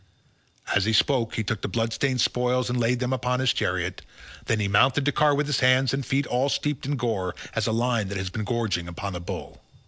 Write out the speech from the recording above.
As he spoke he took the blood stained spoils and laid them upon his chariot; then he mounted the car with his hands and feet all steeped in gore as a lion that has been gorging upon a bull.